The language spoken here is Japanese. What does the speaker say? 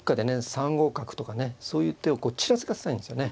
３五角とかねそういう手をちらつかせたいんですよね。